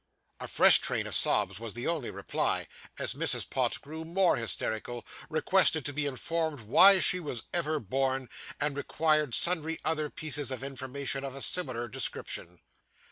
A fresh train of sobs was the only reply, as Mrs. Pott grew more hysterical, requested to be informed why she was ever born, and required sundry other pieces of information of a similar description.